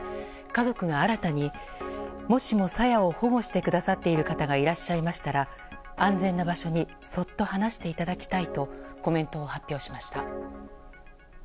家族が新たに、もしも朝芽を保護してくださっている方がいらっしゃいましたら安全な場所にそっと放していただきたいとコメントを発表しました。